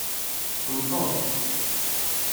Nteḍ.